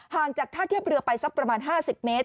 จากท่าเทียบเรือไปสักประมาณ๕๐เมตร